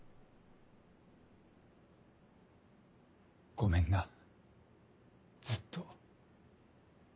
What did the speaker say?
ごめんなずっと。